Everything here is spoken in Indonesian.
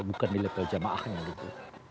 bukan di level jamaahnya gitu